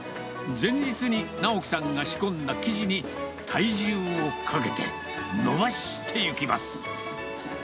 前日に尚紀さんが仕込んだ生地に、体重をかけて、伸ばしていきます。